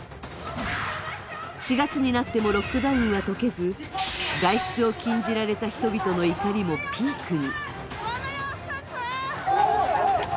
４月になってもロックダウンが解けず外出を禁じられた人々の怒りもピークに。